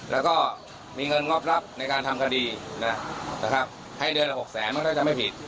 แล้วก็มีเงินงบรับในการทำคดีให้เดือนละ๖๐๐๐๐๐บาทมันก็จะไม่ผิด